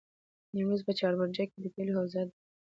د نیمروز په چاربرجک کې د تیلو حوزه ده.